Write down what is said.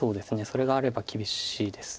それがあれば厳しいです。